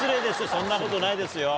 そんなことないですよ。